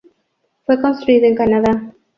Fue construido en Canadá.